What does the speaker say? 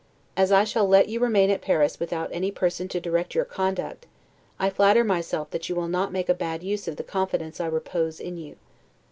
As I shall let you remain at Paris without any person to direct your conduct, I flatter myself that you will not make a bad use of the confidence I repose in you.